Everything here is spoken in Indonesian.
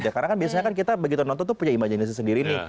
karena kan biasanya kan kita begitu nonton tuh punya imajinasi sendiri nih